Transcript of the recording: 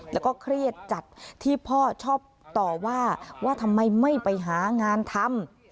แล้วก็เครียดจัดที่พ่อชอบต่อว่าว่าทำไมไม่ไปหางานทำ